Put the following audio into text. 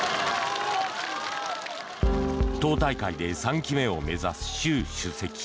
党大会で３期目を目指す習主席。